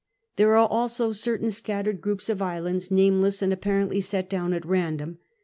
There arc also certain scattered groups of islands nameless, and apparently set down at random.